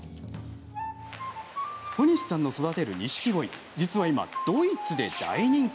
小西さんの育てるニシキゴイ実は今、ドイツで大人気。